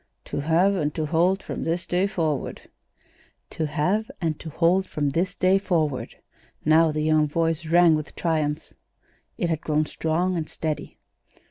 "To have and to hold from this day forward." "'To have and to hold from this day forward.'" Now the young voice rang with triumph. It had grown strong and steady.